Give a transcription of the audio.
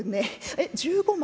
えっ１５枚？